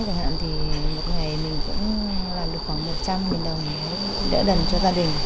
chẳng hạn thì một ngày mình cũng làm được khoảng một trăm linh đồng để đẩn cho gia đình